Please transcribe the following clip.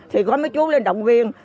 thì có mấy chú lên động viên